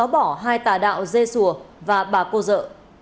bỏ hai tà đạo dê sùa và bà cô dợ